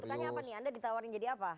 pertanyaannya apa nih anda ditawarin jadi apa